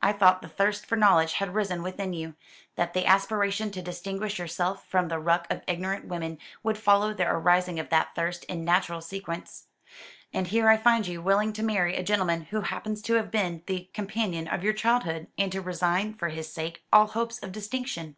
I thought the thirst for knowledge had arisen within you, that the aspiration to distinguish yourself from the ruck of ignorant women would follow the arising of that thirst, in natural sequence. And here I find you willing to marry a gentleman who happens to have been the companion of your childhood, and to resign for his sake all hopes of distinction."